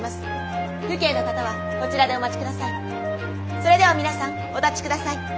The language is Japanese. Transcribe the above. それでは皆さんお立ちください。